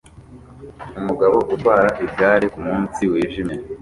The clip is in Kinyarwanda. Umugabo utwara igare kumunsi wijimye